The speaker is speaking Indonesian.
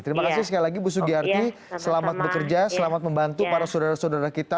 terima kasih sekali lagi bu sugiyarti selamat bekerja selamat membantu para saudara saudara kita